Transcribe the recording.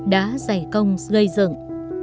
đã giải công gây dựng